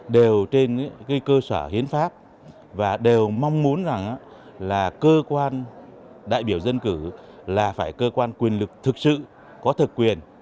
đều trên cơ sở hiến pháp và đều mong muốn rằng là cơ quan đại biểu dân cử là phải cơ quan quyền lực thực sự có thực quyền